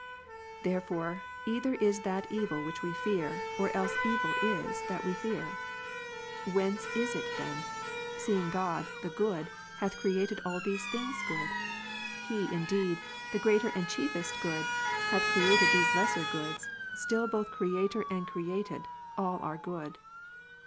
Therefore either is that evil which we fear, or else evil is, that we fear. Whence is it then ? seeing God, the Good, hath created all these things good. He indeed, the greater and chiefest Good, hath created these lesser goods ; still both Creator and created, all are good.